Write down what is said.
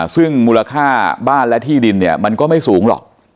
ซึ่งมูลค่าบ้านและที่ดินเนี่ยมันก็ไม่สูงหรอก